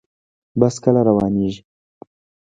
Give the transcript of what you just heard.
بس کله روانیږي؟